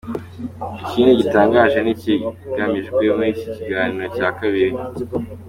Ikindi gitangaje ni ikigamijwe muri iki kiganiro cya kabiri.